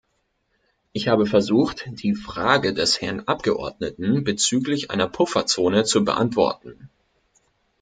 Ich habe versucht, die Frage des Herrn Abgeordneten bezüglich einer Pufferzone zu beantworten.